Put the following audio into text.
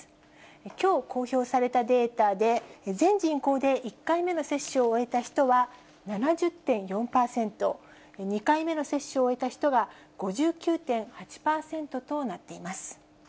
きょう公表されたデータで、全人口で１回目の接種を終えた人は７０．４％、２回目の接種を終えた人は５９．８％となっています。